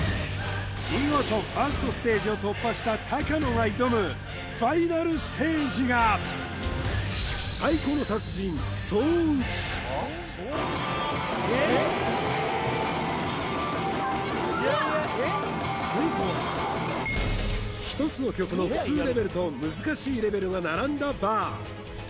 見事ファーストステージを突破した高野が挑む１つの曲の普通レベルと難しいレベルが並んだバー